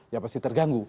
ya pasti terganggu